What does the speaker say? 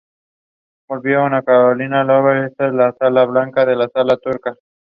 He was the medical director of the Medical Tribune Group.